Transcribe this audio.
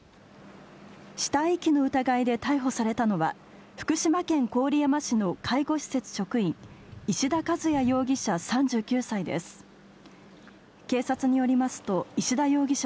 死体遺棄の疑いで逮捕されたのは、福島県郡山市の介護施設職員、石田かずや容疑者